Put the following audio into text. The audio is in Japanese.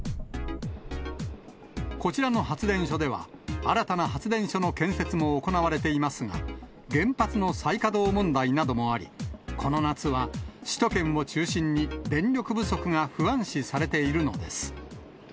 こちらの発電所では、新たな発電所の建設も行われていますが、原発の再稼働問題などもあり、この夏は首都圏を中心に電力不足が不安視されているのです。